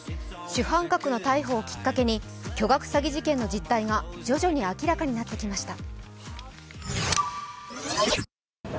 主犯格の逮捕をきっかけに巨額詐欺事件の実態が徐々に明らかになってきました。